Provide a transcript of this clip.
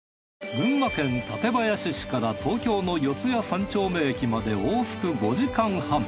群馬県館林市から東京の四谷三丁目駅まで往復５時間半。